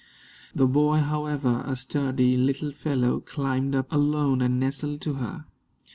The boy, however a sturdy little fellow climbed up alone and nestled to her.